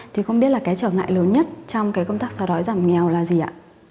thì không biết trở ngại lớn nhất trong công tác xóa đói giảm nghèo là gì ạ